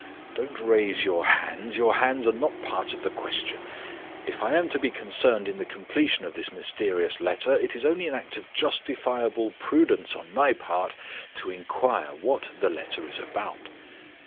Don't raise your hands; your hands are not a part of the question. If I am to be concerned in the completion of this mysterious letter, it is only an act of justifiable prudence on my part to inquire what the letter is about.